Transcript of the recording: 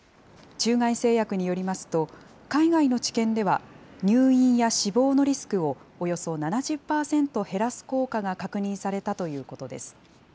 中外製薬によりますと、海外の治験では、入院や死亡のリスクをおよそ７０％減らす効果が確認されたということです。